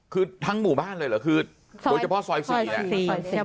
คือทั้งหมู่บ้านเลยเหรอคือโดยเฉพาะซอย๔เนี่ย